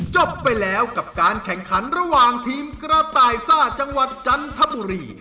จบไปแล้วกับการแข่งขันระหว่างทีมกระต่ายซ่าจังหวัดจันทบุรี